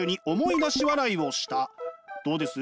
どうです？